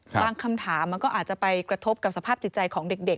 คำถามมันก็อาจจะไปกระทบกับสภาพจิตใจของเด็ก